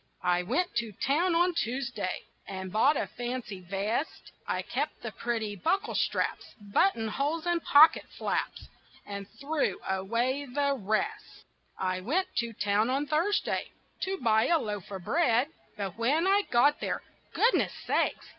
I went to town on Tuesday And bought a fancy vest. I kept the pretty bucklestraps, Buttonholes and pocketflaps, And threw away the rest. I went to town on Thursday To buy a loaf of bread, But when I got there, goodness sakes!